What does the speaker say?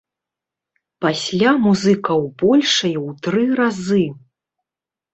Пасля музыкаў большае ў тры разы.